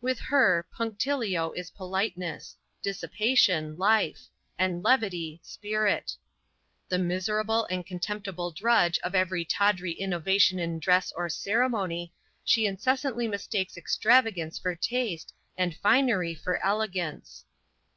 With her, punctilio is politeness; dissipation, life; and levity, spirit. The miserable and contemptible drudge of every tawdry innovation in dress or ceremony, she incessantly mistakes extravagance for taste, and finery for elegance.